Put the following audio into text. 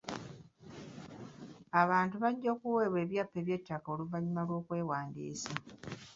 Abantu bajja kuweebwa ebyapa by'ettaka oluvannyuma lw'okwewandiisa.